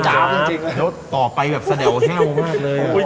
จาฟจริงแล้วต่อไปแบบแสดวแห้วมากเลย